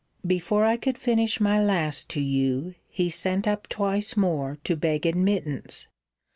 Before I could finish my last to you, he sent up twice more to beg admittance.